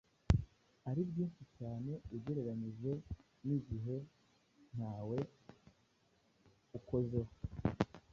ari bwinshi cyane ugereranije n’igihe ntawe ukozeho.